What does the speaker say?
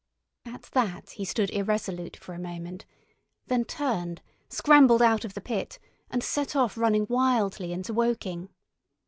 At that he stood irresolute for a moment, then turned, scrambled out of the pit, and set off running wildly into Woking.